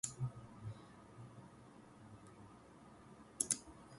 Germany, it is illegal for a regular bank to certify checks.